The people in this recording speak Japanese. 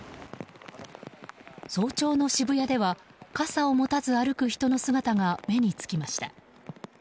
早朝の渋谷では傘を持たず歩く人の姿が目につきました。